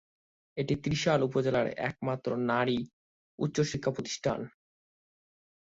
এটি ত্রিশাল উপজেলার একমাত্র নারী উচ্চশিক্ষা প্রতিষ্ঠান।